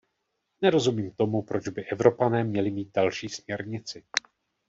Nerozumím tomu, proč by Evropané měli mít další směrnici.